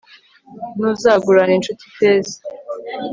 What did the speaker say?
ntuzagurane incuti feza